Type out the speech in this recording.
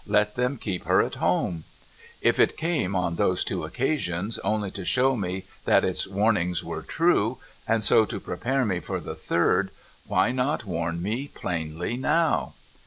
Let them keep her at home "? If it came, on those two occasions, only to show me that its warnings were true, and so to prepare me for the third, why not warn me plainly now